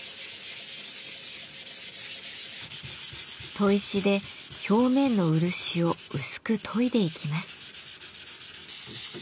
砥石で表面の漆を薄く研いでいきます。